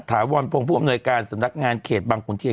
ถาวรพงศ์ผู้อำนวยการสำนักงานเขตบังขุนเทียน